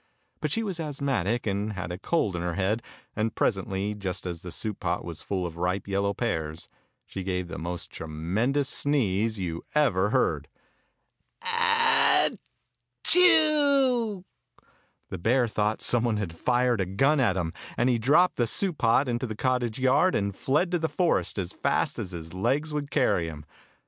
But she was asthmatic and had a cold in her head, and presently, just as the soup pot was full of ripe yellow pears, she gave the most tre mendous sneeze you ever heard — "ylA chewV^ The bear thought some one had fired a 109 Fairy Tale Bears gun at him, and he dropped the soup pot into the cottage yard, and fled to the forest as fast as his legs would carry him.